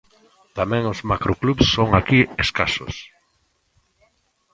Tamén os macroclubs son aquí escasos.